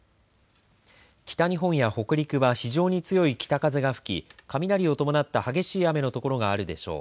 北日本や北陸は非常に強い北風が吹き雷を伴った激しい雨のところがあるでしょう。